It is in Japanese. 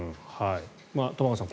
玉川さん